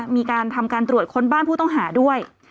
มีการทำการตรวจค้นบ้านผู้ต้องหาด้วย